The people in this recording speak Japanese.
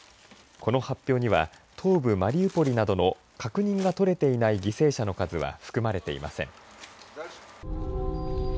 この発表には東部マリウポリなどの確認が取れていない犠牲者の数は含まれていません。